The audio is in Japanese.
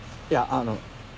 いやあの。